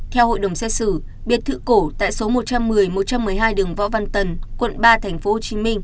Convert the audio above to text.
theo hội đồng xét xử biệt thự cổ tại số một trăm một mươi một trăm một mươi hai đường võ văn tần quận ba tp hcm